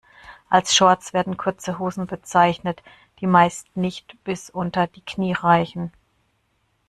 Als Shorts werden kurze Hosen bezeichnet, die meist nicht bis unter die Knie reichen.